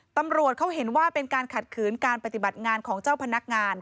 ตำรวจเขาเห็นว่าเป็นการขัดขืนการปฏิบัติงานของเจ้าพนักงาน